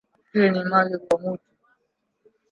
Akili ni mali kwa mutu